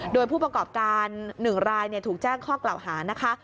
โดยผู้ประกอบการ๑รายถูกแจ้งข้อกล่าวหานะคะ